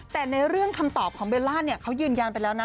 แต่ในเรื่องคำตอบของเบลล่าเนี่ยเขายืนยันไปแล้วนะ